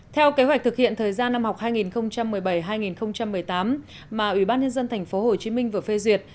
theo kế hoạch thực hiện thời gian năm học hai nghìn một mươi bảy hai nghìn một mươi tám mà ủy ban nhân dân tp hcm vừa phê duyệt